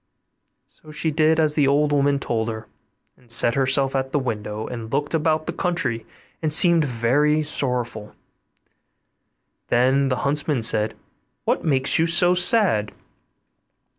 So she did as the old woman told her, and set herself at the window, and looked about the country and seemed very sorrowful; then the huntsman said, 'What makes you so sad?